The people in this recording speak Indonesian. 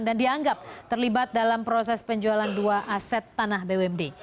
dan dianggap terlibat dalam proses penjualan dua aset tanah bumd